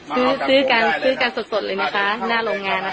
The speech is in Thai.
ซื้อซื้อกันซื้อกันสดเลยนะคะหน้าโรงงานนะคะ